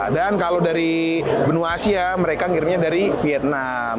dan kalau dari benua asia mereka ngirimnya dari vietnam